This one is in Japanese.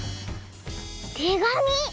てがみ！